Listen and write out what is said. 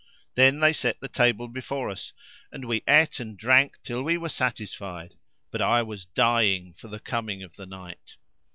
Then they set the table[FN#339] before us and we ate and drank till we were satisfied, but I was dying for the coming of the night.